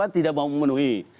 tidak mau memenuhi